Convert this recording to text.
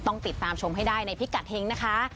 ต้องติดตามชมให้ได้ในพิกัดเฮงนะคะ